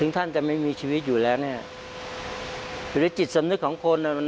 คุณตัวจะชื่อว่าคุณจะคุณจาบอัตภัณฑ์ไหน